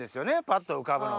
パッと浮かぶのが。